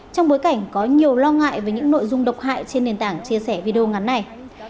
trong bối cảnh có nhiều lo ngại về những nội dung độc hại trên nền tảng chia sẻ video ngắn này